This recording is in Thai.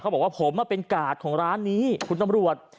บอกว่าผมเป็นกาดของร้านนี้คุณตำรวจ